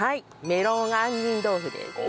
メロン杏仁豆腐です。